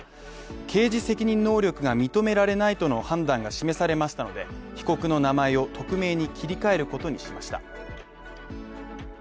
刑事責任能力が認められないとの判断が示されましたので、被告の名前を匿名に切り替えることにしました。